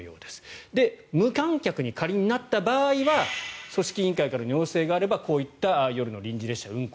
無観客に仮になった場合は組織委員会からの要請があればこういった夜の臨時列車運行